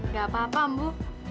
nggak apa apa ambu